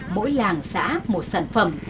mỗi làng xã một sản phẩm